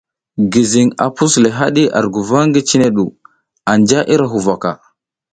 Gizing a a pus le hadi ar guva ngi, cine du anja ira huvaka.